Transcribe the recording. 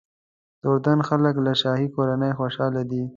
د اردن خلک له شاهي کورنۍ خوشاله دي.